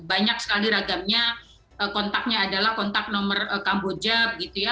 banyak sekali ragamnya kontaknya adalah kontak nomor kamboja begitu ya